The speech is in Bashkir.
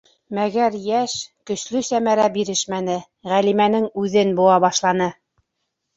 Мәгәр йәш, көслө Сәмәрә бирешмәне, Ғәлимәнең үҙен быуа башланы.